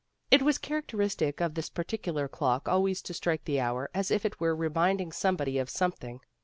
It was characteristic of this particular clock always to strike the hour as if it were reminding somebody of something.